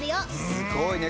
すごいね。